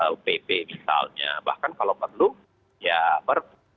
upp misalnya bahkan kalau perlu ya baru